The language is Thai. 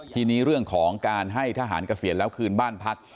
ทีนี้เรื่องของการให้ทหารเกษียณแล้วคืนบ้านพัก